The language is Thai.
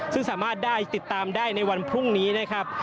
ซึ่งสามารถได้ติดตามได้ในวันพรุ่งนี้นะครับ